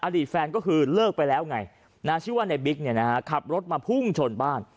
อดีตแฟนก็คือเลิกไปแล้วไงนาชิวะนายบิ๊กขับรถมาพุ่งชนบ้าน